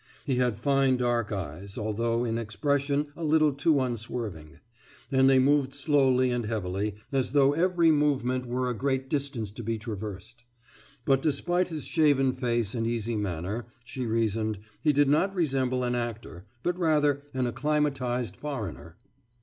He had fine dark eyes, although in expression a little too unswerving; and they moved slowly and heavily, as though every movement were a great distance to be traversed. But despite his shaven face and easy manner, she reasoned, he did not resemble an actor, but rather an acclimatized foreigner.